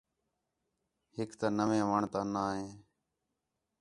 ہِک تا نَوے وَݨ نا ہِے